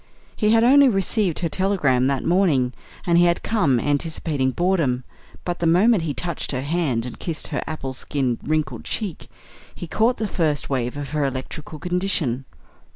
He had only received her telegram that morning, and he had come anticipating boredom; but the moment he touched her hand and kissed her apple skin wrinkled cheek, he caught the first wave of her electrical condition.